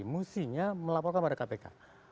musinya melaporkan pada kpk